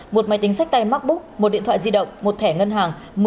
một máy tính sách tay macbook một điện thoại di động một thẻ ngân hàng